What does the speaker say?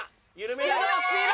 スピードスピード！